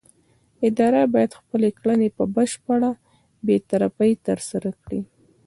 اداره باید خپلې کړنې په بشپړه بې طرفۍ ترسره کړي.